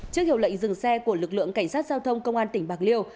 trước hiệu lệnh dừng xe của lực lượng cảnh sát giao thông công an tỉnh bạc liêu